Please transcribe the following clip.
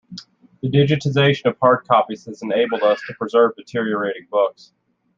The digitization of hard copies has enabled us to preserve deteriorating books.